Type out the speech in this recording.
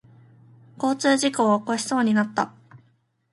交通事故を起こしそうになった。